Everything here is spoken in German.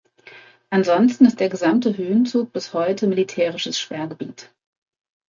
Ansonsten ist der gesamte Höhenzug bis heute militärisches Sperrgebiet.